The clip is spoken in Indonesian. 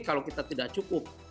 kalau kita tidak cukup